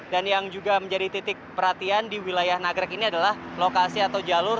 dan yang juga menjadi titik perhatian di wilayah nagrek ini adalah lokasi atau jalur